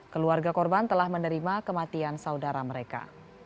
keluarga korban telah menerima kematian saudara mereka